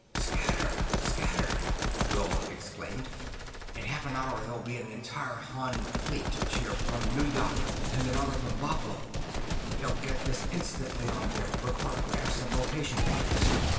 "Scatter! Scatter!" Wilma exclaimed. "In half an hour there'll be an entire Han fleet here from Nu yok, and another from Bah flo. They'll get this instantly on their recordographs and location finders.